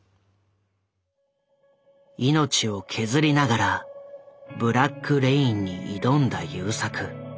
命を削りながら「ブラック・レイン」に挑んだ優作。